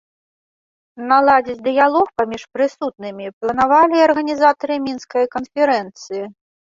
Наладзіць дыялог паміж прысутнымі планавалі і арганізатары мінскай канферэнцыі.